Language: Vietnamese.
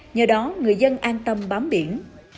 nhờ đó người dân an tâm bám biển